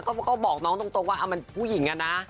ก็บอกน้องตรงว่ามันผู้หญิงอะนะ